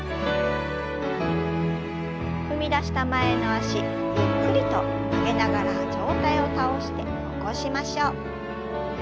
踏み出した前の脚ゆっくりと曲げながら上体を倒して起こしましょう。